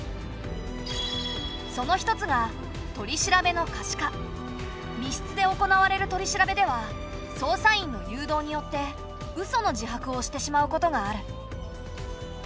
その一つが密室で行われる取り調べでは捜査員の誘導によってうその自白をしてしまうことがある。